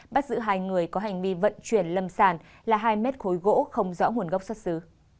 bắt giữ hai người có hành vi vận chuyển lâm sản là hai mét khối gỗ không rõ nguồn gốc xuất xứ